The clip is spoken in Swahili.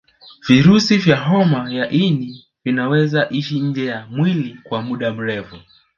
Virusi vya homa ya ini vinaweza ishi nje ya mwili kwa muda mrefu